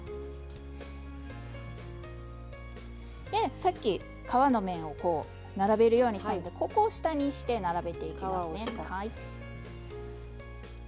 さっき皮の面を並べるようにしたのでここを下にして並べていきますね。